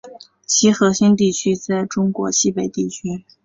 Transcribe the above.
其核心地区在中国西北地区。